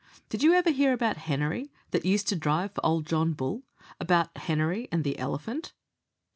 Did you ever hear about Henery, that used to drive for old John Bull about Henery and the elephant?"